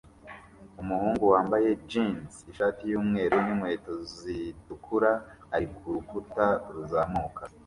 Umuhungu wambaye jeans ishati yumweru ninkweto zitukura ari kurukuta ruzamuka